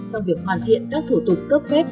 trong việc hoàn thiện các thủ tục cấp phép